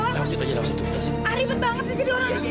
langsung aja langsung aja